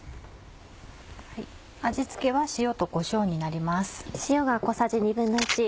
味付けは塩とこしょうになります。